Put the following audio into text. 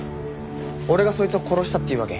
俺がそいつを殺したっていうわけ？